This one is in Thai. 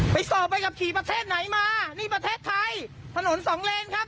สอบใบขับขี่ประเทศไหนมานี่ประเทศไทยถนนสองเลนครับ